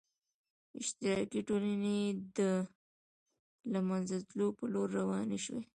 اشتراکي ټولنې د له منځه تلو په لور روانې شوې.